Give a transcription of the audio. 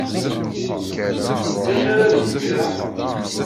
D acu ara neg imir-a?